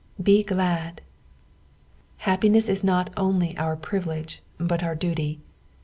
"Bj glad." Ilappinera is rot only our privilege, but our duty.